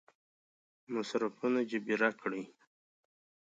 مصرفونه جبیره کړي.